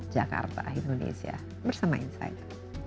jakarta indonesia bersama insight